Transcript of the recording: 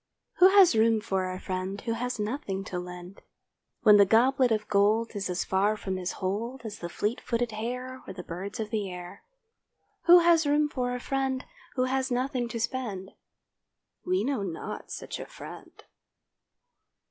Who has room for a friend Who has nothing to lend, When the goblet of gold Is as far from his hold As the fleet footed hare, Or the birds of the air. Who has room for a friend Who has nothing to spend? We know not such a friend.